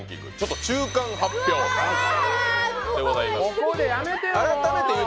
ここでやめてよ